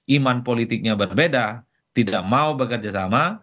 iman politiknya berbeda tidak mau bekerjasama